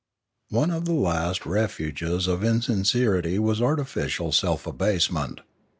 One of the last refuges of insincerity was artificial self abasement.